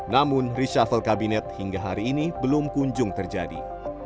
namun reshuffle kabinet hingga hari ini belum kunjung terjadi